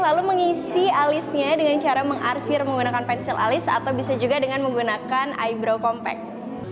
lalu mengisi alisnya dengan cara mengarsir menggunakan pensil alis atau bisa juga dengan menggunakan eyebrow compact